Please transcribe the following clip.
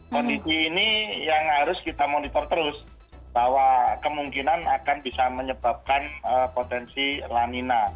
kondisi ini yang harus kita monitor terus bahwa kemungkinan akan bisa menyebabkan potensi lanina